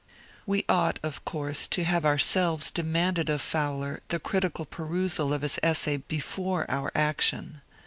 We ought of course to have ourselves demanded of Fowler the critical perusal of his essay before our action.